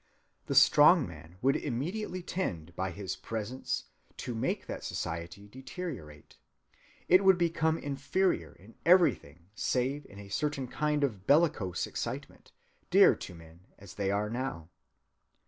The strong man would immediately tend by his presence to make that society deteriorate. It would become inferior in everything save in a certain kind of bellicose excitement, dear to men as they now are.